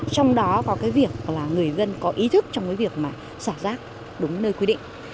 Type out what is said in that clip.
trong đó có việc người dân có ý thức trong việc sả rác đúng nơi quy định